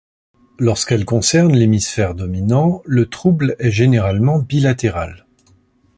Lorsqu'elle concerne l'hémisphère dominant, le trouble est généralement bilatéral.